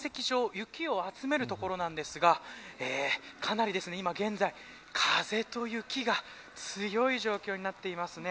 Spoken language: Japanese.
雪を集める所なんですがかなり、今現在風と雪が強い状況になっていますね。